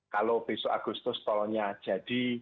kalau besok agustus tolnya jadi